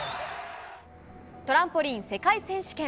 トランポリン世界選手権。